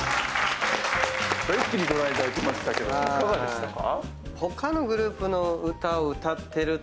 一気にご覧いただきましたけどもいかがでしたか？